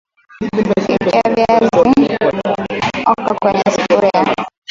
Keki ya viazi oka kwenye sufuria